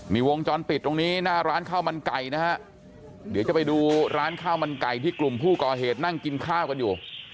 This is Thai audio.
มีวงจรปิดตรงนี้หน้าร้านข้าวมันไก่นะฮะเดี๋ยวจะไปดูร้านข้าวมันไก่ที่กลุ่มผู้ก่อเหตุนั่งกินข้าวกันอยู่